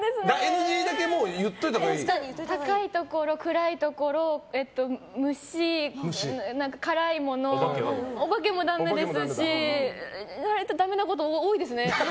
ＮＧだけ高いところ、暗いところ、虫辛いもの、お化けもダメですし割とダメなこと多いですね。